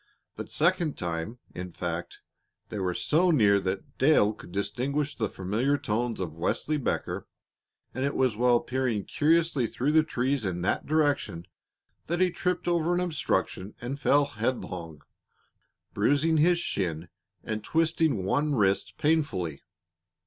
The second time, in fact, these were so near that Dale could distinguish the familiar tones of Wesley Becker, and it was while peering curiously through the trees in that direction that he tripped over an obstruction and fell headlong, bruising his shin and twisting one wrist painfully.